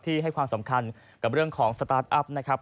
ให้ความสำคัญกับเรื่องของสตาร์ทอัพนะครับ